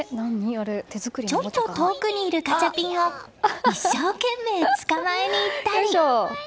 ちょっと遠くにいるガチャピンを一生懸命捕まえにいったり。